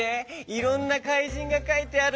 いろんなかいじんがかいてある。